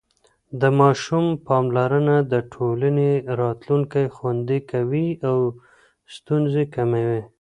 د ماشوم پاملرنه د ټولنې راتلونکی خوندي کوي او ستونزې کموي.